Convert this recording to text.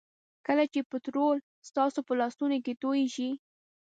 کله چې پټرول ستاسو په لاسونو کې توی شي.